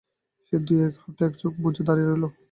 সেই দুই হাত মুঠো করে চোখ বুজে দাঁড়িয়ে রইল।